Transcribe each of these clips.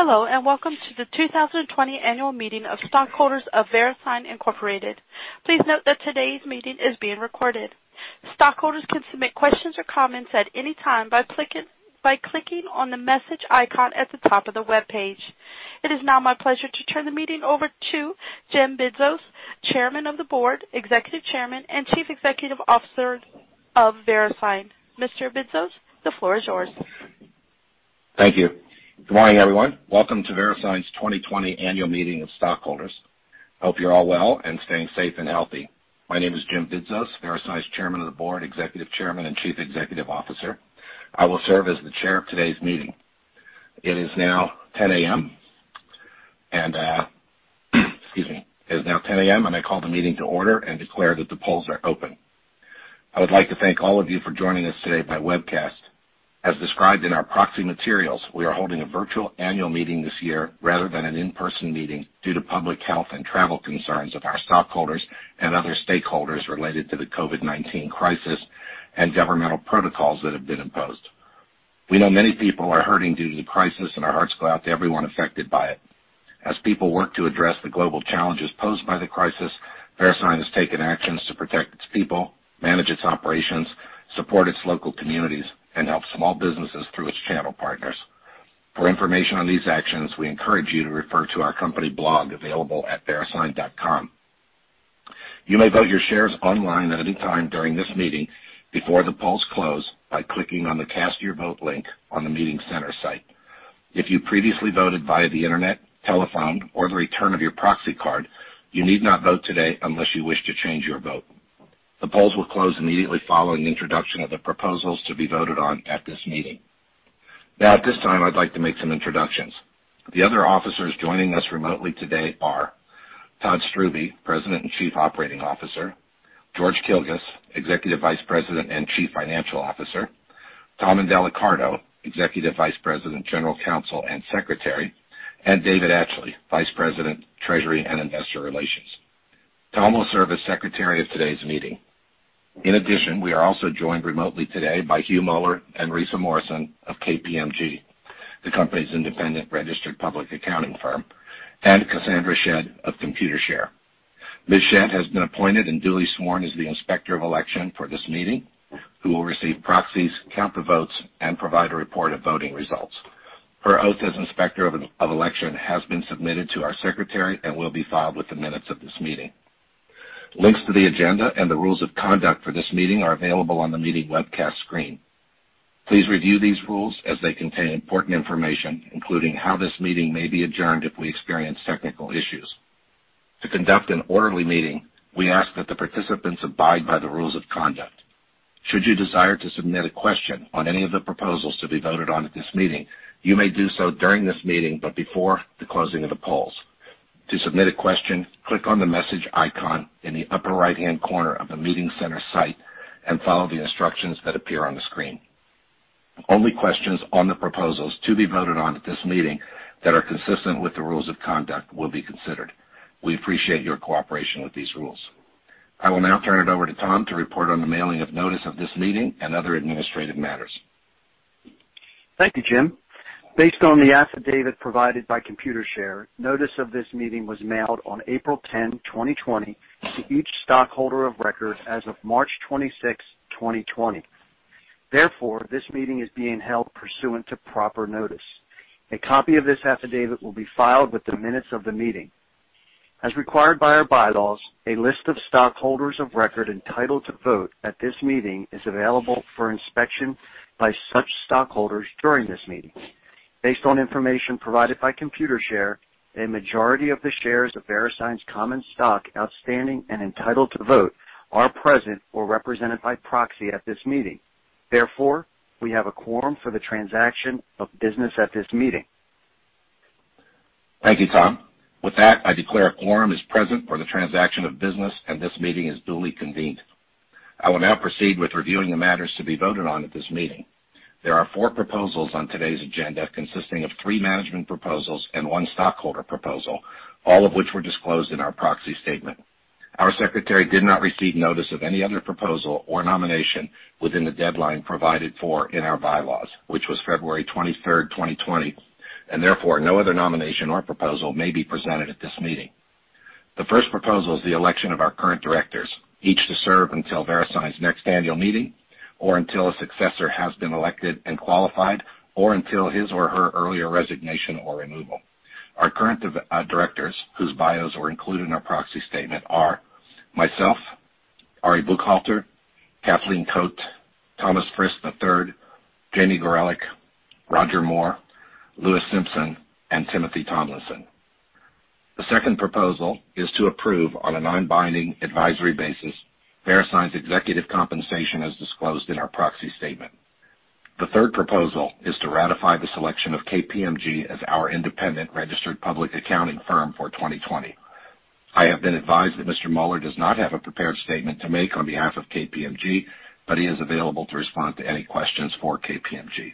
Hello, and welcome to the 2020 annual meeting of stockholders of VeriSign, Inc.. Please note that today's meeting is being recorded. Stockholders can submit questions or comments at any time by clicking on the message icon at the top of the webpage. It is now my pleasure to turn the meeting over to Jim Bidzos, Chairman of the Board, Executive Chairman, and Chief Executive Officer of VeriSign. Mr. Bidzos, the floor is yours. Thank you. Good morning, everyone. Welcome to VeriSign's 2020 Annual Meeting of Stockholders. Hope you're all well and staying safe and healthy. My name is Jim Bidzos, VeriSign's Chairman of the Board, Executive Chairman, and Chief Executive Officer. I will serve as the chair of today's meeting. It is now 10:00 A.M., and excuse me. I call the meeting to order and declare that the polls are open. I would like to thank all of you for joining us today by webcast. As described in our proxy materials, we are holding a virtual annual meeting this year rather than an in-person meeting due to public health and travel concerns of our stockholders and other stakeholders related to the COVID-19 crisis and governmental protocols that have been imposed. We know many people are hurting due to the crisis, and our hearts go out to everyone affected by it. As people work to address the global challenges posed by the crisis, VeriSign has taken actions to protect its people, manage its operations, support its local communities, and help small businesses through its channel partners. For information on these actions, we encourage you to refer to our company blog available at verisign.com. You may vote your shares online at any time during this meeting before the polls close by clicking on the Cast Your Vote link on the meeting center site. If you previously voted via the internet, telephone, or the return of your proxy card, you need not vote today unless you wish to change your vote. The polls will close immediately following introduction of the proposals to be voted on at this meeting. At this time, I'd like to make some introductions. The other officers joining us remotely today are Todd Strubbe, President and Chief Operating Officer, George Kilguss, Executive Vice President and Chief Financial Officer, Tom Indelicarto, Executive Vice President, General Counsel, and Secretary, and David Atchley, Vice President, Treasury and Investor Relations. Tom will serve as secretary of today's meeting. We are also joined remotely today by Hugh Muller and Risa Morrison of KPMG, the company's independent registered public accounting firm, and Cassandra Shedd of Computershare. Ms. Shedd has been appointed and duly sworn as the inspector of election for this meeting, who will receive proxies, count the votes, and provide a report of voting results. Her oath as inspector of election has been submitted to our secretary and will be filed with the minutes of this meeting. Links to the agenda and the rules of conduct for this meeting are available on the meeting webcast screen. Please review these rules as they contain important information, including how this meeting may be adjourned if we experience technical issues. To conduct an orderly meeting, we ask that the participants abide by the rules of conduct. Should you desire to submit a question on any of the proposals to be voted on at this meeting, you may do so during this meeting, but before the closing of the polls. To submit a question, click on the message icon in the upper right-hand corner of the meeting center site and follow the instructions that appear on the screen. Only questions on the proposals to be voted on at this meeting that are consistent with the rules of conduct will be considered. We appreciate your cooperation with these rules. I will now turn it over to Tom to report on the mailing of notice of this meeting and other administrative matters. Thank you, Jim. Based on the affidavit provided by Computershare, notice of this meeting was mailed on April 10, 2020, to each stockholder of record as of March 26, 2020. Therefore, this meeting is being held pursuant to proper notice. A copy of this affidavit will be filed with the minutes of the meeting. As required by our bylaws, a list of stockholders of record entitled to vote at this meeting is available for inspection by such stockholders during this meeting. Based on information provided by Computershare, a majority of the shares of VeriSign's common stock outstanding and entitled to vote are present or represented by proxy at this meeting. Therefore, we have a quorum for the transaction of business at this meeting. Thank you, Tom. With that, I declare a quorum is present for the transaction of business and this meeting is duly convened. I will now proceed with reviewing the matters to be voted on at this meeting. There are four proposals on today's agenda, consisting of three management proposals and one stockholder proposal, all of which were disclosed in our proxy statement. Our secretary did not receive notice of any other proposal or nomination within the deadline provided for in our bylaws, which was February 23, 2020, and therefore, no other nomination or proposal may be presented at this meeting. The first proposal is the election of our current directors, each to serve until VeriSign's next annual meeting or until a successor has been elected and qualified or until his or her earlier resignation or removal. Our current directors, whose bios were included in our proxy statement, are myself, Ari Buchalter, Kathleen Cote, Thomas Frist III, Jamie Gorelick, Roger Moore, Louis Simpson, and Timothy Tomlinson. The second proposal is to approve on a non-binding advisory basis VeriSign's executive compensation as disclosed in our proxy statement. The third proposal is to ratify the selection of KPMG as our independent registered public accounting firm for 2020. I have been advised that Mr. Muller does not have a prepared statement to make on behalf of KPMG, but he is available to respond to any questions for KPMG.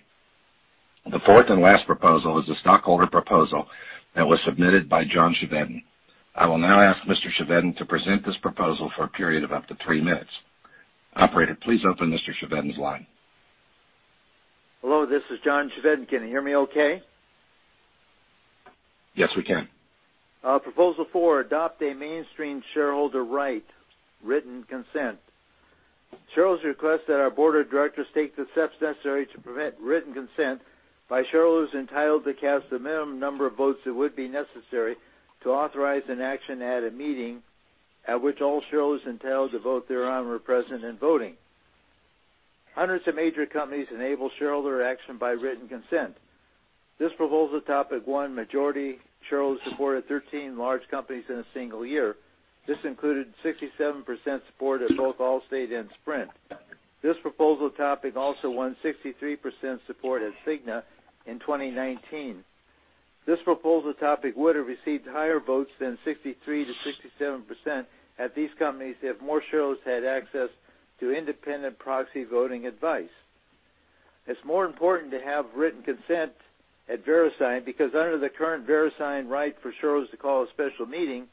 The fourth and last proposal is a stockholder proposal that was submitted by John Chevedden. I will now ask Mr. Chevedden to present this proposal for a period of up to three minutes. Operator, please open Mr. Chevedden's line. Hello, this is John Chevedden. Can you hear me okay? Yes, we can. Proposal four, adopt a mainstream shareholder right, written consent. Shareholders request that our board of directors take the steps necessary to prevent written consent by shareholders entitled to cast the minimum number of votes that would be necessary to authorize an action at a meeting at which all shareholders entitled to vote thereon were present and voting. Hundreds of major companies enable shareholder action by written consent. This proposal topic won majority shareholder support at 13 large companies in a single year. This included 67% support at both Allstate and Sprint. This proposal topic also won 63% support at Cigna in 2019. This proposal topic would have received higher votes than 63%-67% at these companies if more shareholders had access to independent proxy voting advice. It's more important to have written consent at VeriSign because under the current VeriSign right for shareholders to call a special meeting,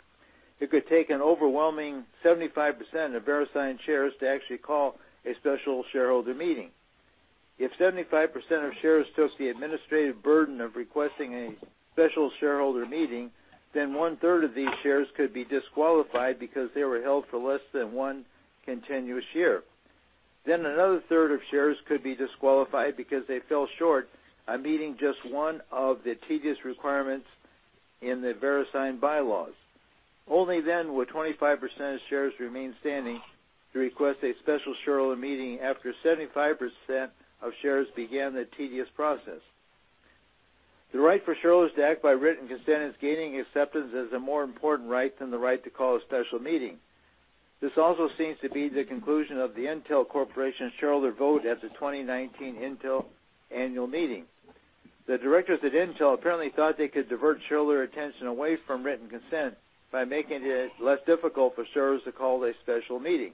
it could take an overwhelming 75% of VeriSign shares to actually call a special shareholder meeting. If 75% of shares took the administrative burden of requesting a special shareholder meeting, one-third of these shares could be disqualified because they were held for less than one continuous year. Another third of shares could be disqualified because they fell short on meeting just one of the tedious requirements in the VeriSign bylaws. Only then would 25% of shares remain standing to request a special shareholder meeting after 75% of shares began the tedious process. The right for shareholders to act by written consent is gaining acceptance as a more important right than the right to call a special meeting. This also seems to be the conclusion of the Intel Corporation shareholder vote at the 2019 Intel annual meeting. The directors at Intel apparently thought they could divert shareholder attention away from written consent by making it less difficult for shareholders to call a special meeting.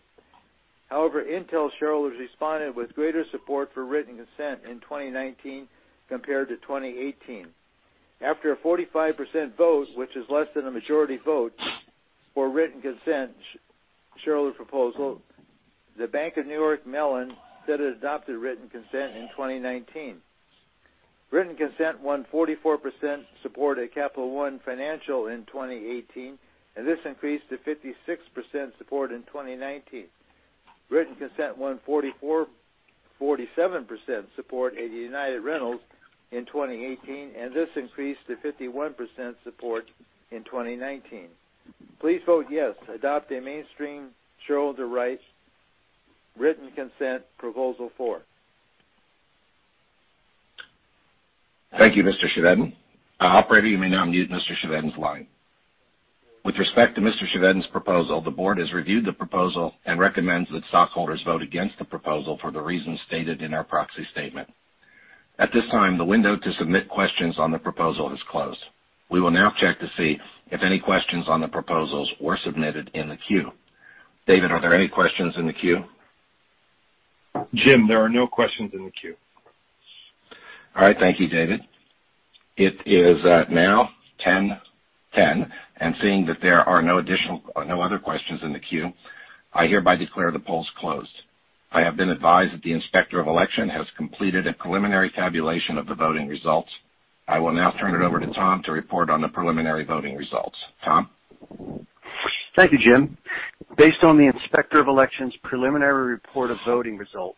However, Intel shareholders responded with greater support for written consent in 2019 compared to 2018. After a 45% vote, which is less than a majority vote for written consent shareholder proposal, the Bank of New York Mellon said it adopted written consent in 2019. Written consent won 44% support at Capital One Financial in 2018, and this increased to 56% support in 2019. Written consent won 47% support at United Rentals in 2018, and this increased to 51% support in 2019. Please vote yes to adopt a mainstream shareholder rights written consent proposal four. Thank you, Mr. Chevedden. Operator, you may now mute Mr. Chevedden's line. With respect to Mr. Chevedden's proposal, the board has reviewed the proposal and recommends that stockholders vote against the proposal for the reasons stated in our proxy statement. At this time, the window to submit questions on the proposal has closed. We will now check to see if any questions on the proposals were submitted in the queue. David, are there any questions in the queue? Jim, there are no questions in the queue. All right. Thank you, David. It is now 10:10 A.M., seeing that there are no other questions in the queue, I hereby declare the polls closed. I have been advised that the Inspector of Election has completed a preliminary tabulation of the voting results. I will now turn it over to Tom to report on the preliminary voting results. Tom? Thank you, Jim. Based on the inspector of election's preliminary report of voting results,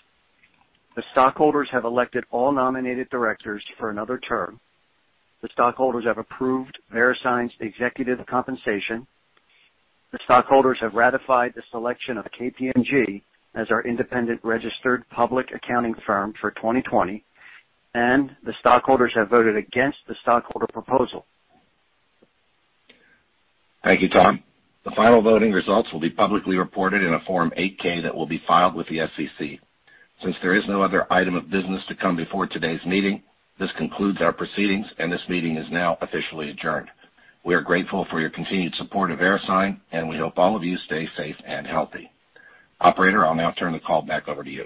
the stockholders have elected all nominated directors for another term. The stockholders have approved VeriSign's executive compensation. The stockholders have ratified the selection of KPMG as our independent registered public accounting firm for 2020. The stockholders have voted against the stockholder proposal. Thank you, Tom. The final voting results will be publicly reported in a Form 8-K that will be filed with the SEC. Since there is no other item of business to come before today's meeting, this concludes our proceedings and this meeting is now officially adjourned. We are grateful for your continued support of VeriSign, and we hope all of you stay safe and healthy. Operator, I'll now turn the call back over to you.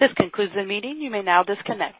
This concludes the meeting. You may now disconnect.